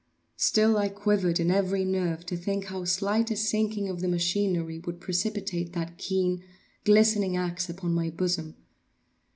Still I quivered in every nerve to think how slight a sinking of the machinery would precipitate that keen, glistening axe upon my bosom.